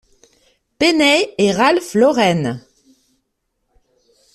Penney et Ralph Lauren.